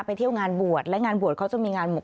เที่ยวงานบวชและงานบวชเขาจะมีงาน